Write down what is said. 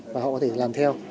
và họ có thể làm theo